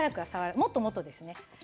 もっともっとですね。